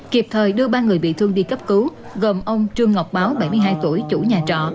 kịp thời đưa ba người bị thương đi cấp cứu gồm ông trương ngọc báo bảy mươi hai tuổi chủ nhà trọ